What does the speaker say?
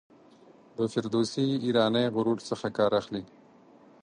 د فردوسي ایرانی غرور څخه کار اخلي.